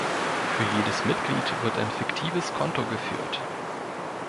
Für jedes Mitglied wird ein fiktives "Konto" geführt.